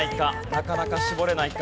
なかなか絞れないか？